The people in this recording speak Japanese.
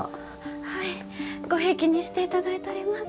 はいごひいきにしていただいとります。